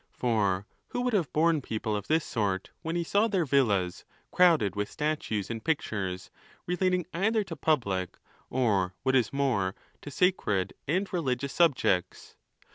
For who would have borne people of this: sort, when he saw their villas crowded with statues and pictures, relating either to public, or what is more, to sacred . and religious subjects?